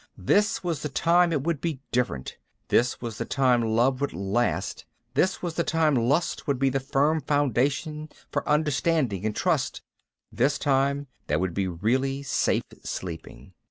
This was the time it would be different, this was the time love would last, this was the time lust would be the firm foundation for understanding and trust, this time there would be really safe sleeping.